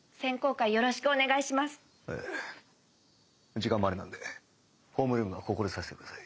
時間もあれなんでホームルームはここでさせてください。